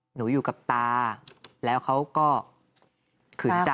หนูอยู่กับตาแล้วเขาก็ขืนใจ